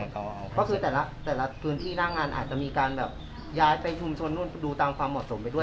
ก็คือแต่ละพื้นที่หน้างานอาจจะมีการแบบย้ายไปชุมชนนู่นดูตามความเหมาะสมไปด้วย